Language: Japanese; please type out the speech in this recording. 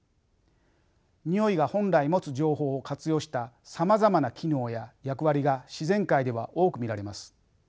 においが本来持つ情報を活用したさまざまな機能や役割が自然界では多く見られます。